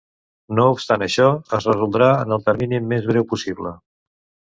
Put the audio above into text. No obstant això, es resoldrà en el termini més breu possible.